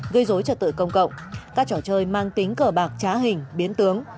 gây dối trật tự công cộng các trò chơi mang tính cờ bạc trá hình biến tướng